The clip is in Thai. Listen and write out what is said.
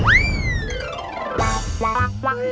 โอ๊ยพอแล้วครับ